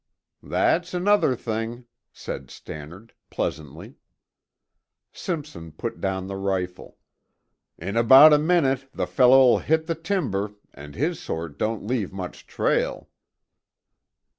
"That's another thing," said Stannard pleasantly. Simpson put down the rifle. "In about a minute the fellow'll hit the timber and his sort don't leave much trail.